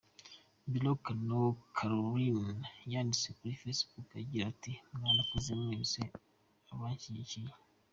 Biloa Kounou Carolina yanditse kuri Facebook agira ati “Mwarakoze mwese abanshyigikiye.